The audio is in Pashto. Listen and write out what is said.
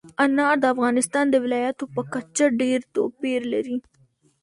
انار د افغانستان د ولایاتو په کچه ډېر توپیر لري.